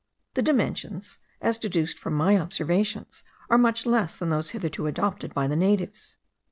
The dimensions, as deduced from my observations are much less than those hitherto adopted by the natives.